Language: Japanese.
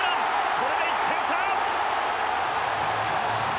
これで１点差！